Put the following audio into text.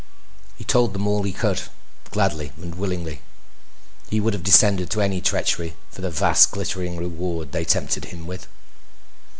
He told them all he could, gladly and willingly. He would have descended to any treachery for the vast glittering reward they tempted him with.